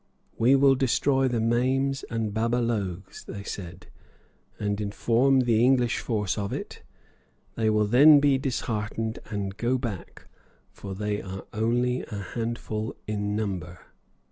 "We will destroy the maims and baba logues," they said, "and inform the English force of it; they will then be disheartened, and go back, for they are only a handful in number!"